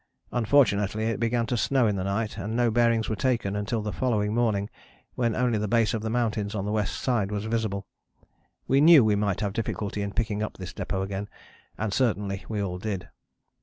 Unfortunately it began to snow in the night and no bearings were taken until the following morning when only the base of the mountains on the west side was visible. We knew we might have difficulty in picking up this depôt again, and certainly we all did.